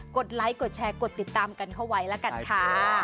ไลค์กดแชร์กดติดตามกันเข้าไว้แล้วกันค่ะ